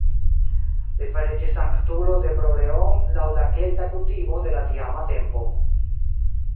Li fariĝis sanktulo de Bro-Leon laŭ la kelta kutimo de la tiama tempo.